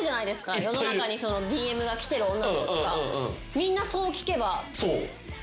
みんなそう聞けば。